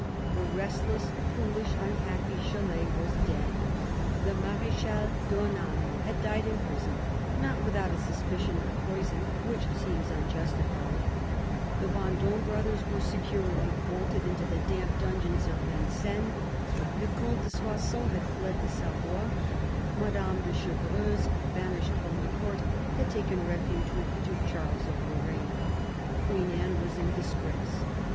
The restless, foolish, unhappy Chalais was dead;, the Marechal d'Ornano had died in prison, not without a suspicion of poison which seems unjustified ; the Vendome brothers were securely bolted into the damp dungeons of Vincennes ; the Comte de Soissons had fled to Savoy ; Madame de Chevreuse, banished from the Court, had taken refuge with Duke Charles of Lorraine ; Queen Anne was in disgrace.